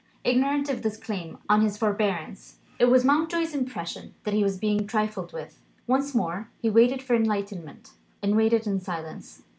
Ignorant of this claim on his forbearance, it was Mountjoy's impression that he was being trifled with. Once more, he waited for enlightenment, and waited in silence.